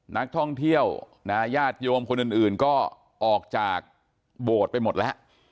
นักท่องเที่ยวญาติโยมคนอื่นก็ออกจากโบสถ์ไปหมดแล้ว